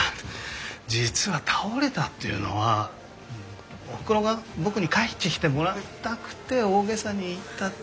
実は倒れたっていうのはおふくろが僕に帰ってきてもらいたくて大げさに言ったっていうだけなんだよね。